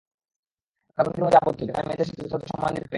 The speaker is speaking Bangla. আমরা গণ্ডির মধ্যে আবদ্ধ, যেখানে মেয়েদের যথাযথ সম্মান দিতে পারি না।